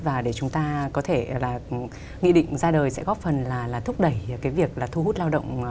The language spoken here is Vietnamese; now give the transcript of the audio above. và để chúng ta có thể là nghị định ra đời sẽ góp phần là thúc đẩy cái việc là thu hút lao động